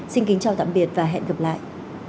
xin kính chào tạm biệt và hẹn gặp lại